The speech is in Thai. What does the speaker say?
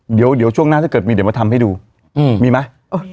เดี๋ยวช่วงหน้าถ้าเกิดมีเดี๋ยวมาทำให้ดูมีไหม